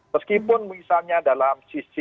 meskipun misalnya dalam sisi